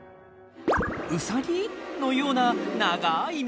ウサギ？のような長い耳。